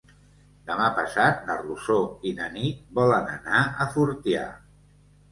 Demà passat na Rosó i na Nit volen anar a Fortià.